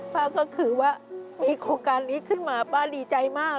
ก็คือว่ามีโครงการนี้ขึ้นมาป้าดีใจมาก